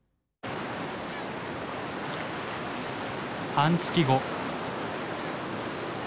半月後。